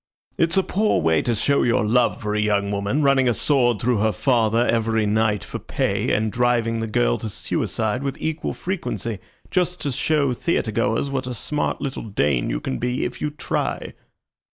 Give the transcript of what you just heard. It's a poor way to show your love for a young woman, running a sword through her father every night for pay, and driving the girl to suicide with equal frequency, just to show theatre goers what a smart little Dane you can be if you try."